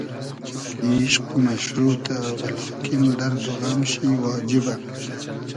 ایشق مئشروتۂ و لاکین دئرد و غئم شی واجیبۂ